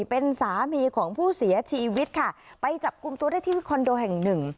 เป็นสามีของผู้เสียชีวิตค่ะไปจับกลุ่มตัวได้ที่คอนโดแห่งหนึ่ง